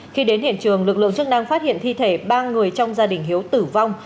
khi đến hiện trường lực lượng chức năng phát hiện thi thể ba người trong gia đình hiếu tử vong